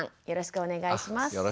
よろしくお願いします。